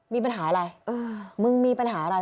มีปัญหาอะไรมึงมีปัญหาอะไร